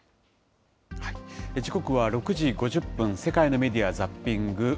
時刻は６時５０分、世界のメディア・ザッピング。